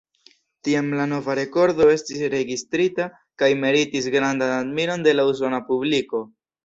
Tiam la nova rekordo estis registrita kaj meritis grandan admiron de la usona publiko.